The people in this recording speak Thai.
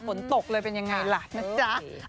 ฝนตกเลยเป็นยังไงล่ะนะจ๊ะ